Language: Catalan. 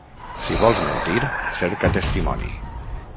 Si vols mentir, cerca testimoni.